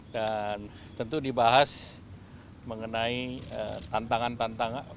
tentu dibahas mengenai tantangan tantangan